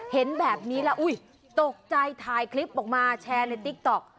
เห็นแบบนี้แล้วอุ้ยตกใจถ่ายคลิปออกมาแชร์ในติ๊กต๊อก